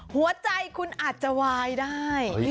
หัวใจคุณอาจจะวายได้